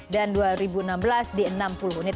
dan dua ribu enam belas di enam puluh unit